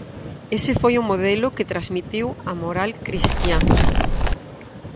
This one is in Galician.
Ese foi o modelo que transmitiu a moral cristiá.